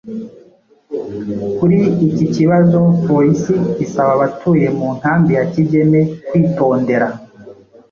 Kuri iki kibazo polisi isaba abatuye mu nkambi ya Kigeme kwitodera